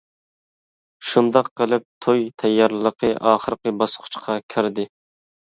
شۇنداق قىلىپ توي تەييارلىقى ئاخىرقى باسقۇچقا كىردى.